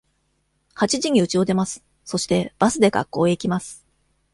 八時にうちを出ます。そして、バスで学校へ行きます。